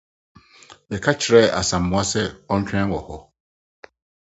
Meka kyerɛɛ Asamoa sɛ ɔntwɛn wɔ hɔ.